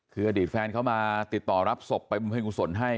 คืออดีตแฟนเขามาติดต่อรับศพไปบำเพ็ญกุศลให้